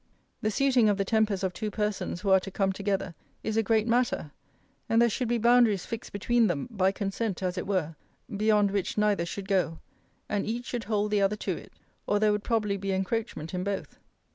The suiting of the tempers of two persons who are to come together, is a great matter: and there should be boundaries fixed between them, by consent as it were, beyond which neither should go: and each should hold the other to it; or there would probably be encroachment in both.